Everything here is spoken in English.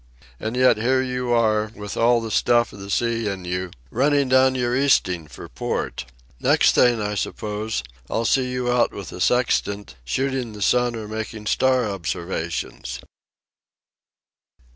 And yet here you are, with all the stuff of the sea in you, running down your easting for port. Next thing, I suppose, I'll see you out with a sextant, shooting the sun or making star observations."